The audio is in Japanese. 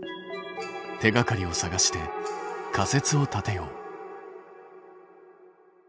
手がかりを探して仮説を立てよう。